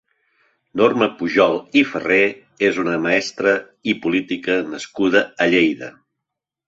Norma Pujol i Farré és una mestra i política nascuda a Lleida.